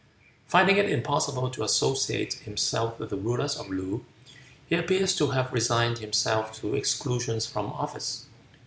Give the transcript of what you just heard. Finding it impossible to associate himself with the rulers of Loo, he appears to have resigned himself to exclusion from office.